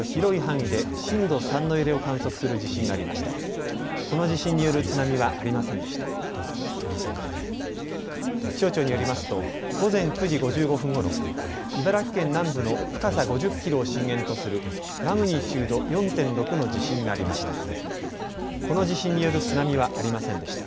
気象庁によりますと午前９時５５分ごろ、茨城県南部の深さ５０キロを震源とするマグニチュード４．６の地震がありました。